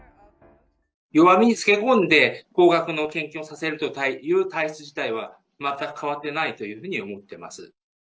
弱みにつけ込んで、高額の献金をさせるという体質自体は、全く変わってないというふうに思ってます。